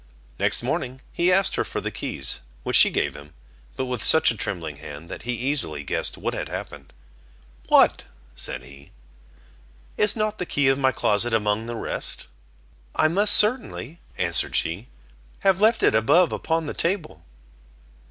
Next morning he asked her for the keys, which she gave him, but with such a trembling hand, that he easily guessed what had happened. "What," said he, "is not the key of my closet among the rest?" "I must certainly," answered she, "have left it above upon the table."